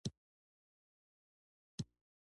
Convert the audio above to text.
• بښل د نرم زړه خلک کوي.